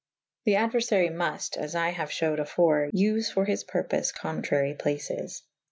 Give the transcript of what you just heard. The aduerfary muft (as I haue fhewed afore) vfe for his purpoie contrary places.